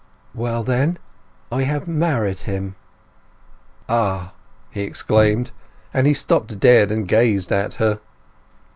"Well then.... I have married him." "Ah!" he exclaimed; and he stopped dead and gazed at her.